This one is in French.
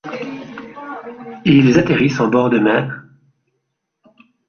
Ils atterrissent en bord de mer.